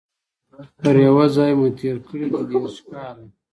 پر یوه ځای مو تیر کړي دي دیرش کاله